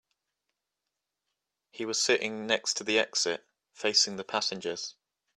He was sitting next to the exit, facing the passengers.